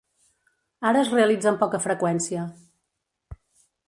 Ara es realitza amb poca freqüència.